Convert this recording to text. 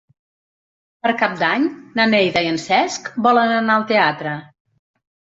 Per Cap d'Any na Neida i en Cesc volen anar al teatre.